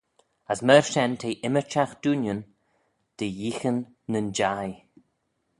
As myr shen t'eh ymmyrçhagh dooinyn dy yeeaghyn nyn jeih.